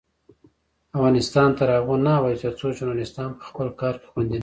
افغانستان تر هغو نه ابادیږي، ترڅو ژورنالیستان په خپل کار کې خوندي نشي.